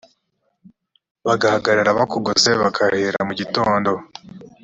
bagahagarara bakugose bagahera mu gitondo